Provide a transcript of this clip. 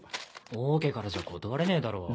王家からじゃ断れねえだろ。